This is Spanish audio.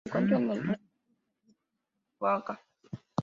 Se encuentra en el Museo Taller Luis Nishizawa.